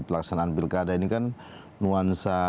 pelaksanaan pilkada ini kan nuansa